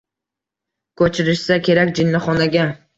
Ko’chirishsa kerak jinnixonaga…